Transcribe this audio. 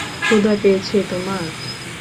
ক্ষুধা পেয়েছে তোমার?